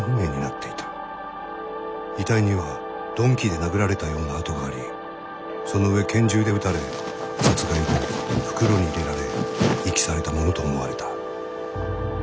遺体には鈍器で殴られたような痕がありその上拳銃で撃たれ殺害後袋に入れられ遺棄されたものと思われた。